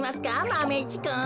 マメ１くん。